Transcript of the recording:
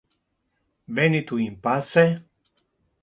Veni tu in pace?